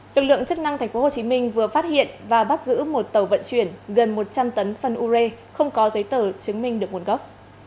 lực lượng chức năng tp hcm vừa phát hiện và bắt giữ một tàu vận chuyển gần một trăm linh tấn phân u rê không có giấy tờ chứng minh được nguồn gốc